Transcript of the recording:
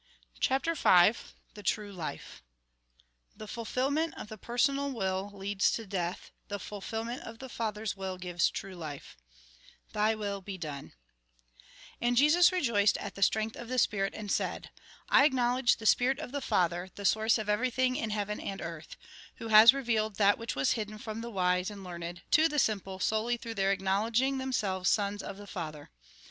CHAPTEE V THE TKUE LIFE ML xi. 25. The fulfilment of the personal will leads to death ; the fulfilment of the Father's will gives true life {"Zh'5 Will be Done") And Jesus rejoiced at the strength of the spu^it, and said :" I acknowledge the spirit of the Father, the source of everytliing in heaven and earth, Who has revealed that which was hidden from the mse and learned, to the simple, solely through their acknow ledging themselves Sons of the Father.